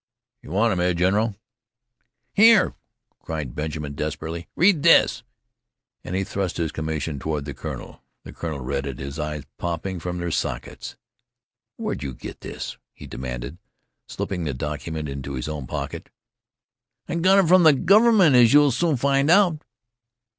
"You want him, eh, general?" "Here!" cried Benjamin desperately. "Read this." And he thrust his commission toward the colonel. The colonel read it, his eyes popping from their sockets. "Where'd you get this?" he demanded, slipping the document into his own pocket. "I got it from the Government, as you'll soon find out!"